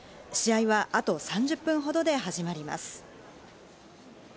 試合はあと３０分ほどで始まります。